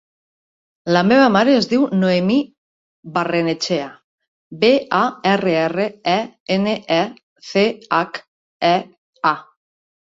La meva mare es diu Noemí Barrenechea: be, a, erra, erra, e, ena, e, ce, hac, e, a.